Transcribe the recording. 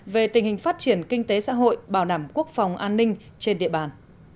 về tình hình phát triển kinh tế xã hội bảo đảm quốc phòng an ninh trên địa bàn